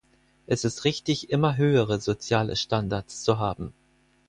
Es ist richtig, immer höhere soziale Standards zu haben.